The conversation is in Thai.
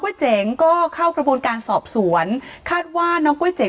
เจ๋งก็เข้ากระบวนการสอบสวนคาดว่าน้องก๋วยเจ๋ง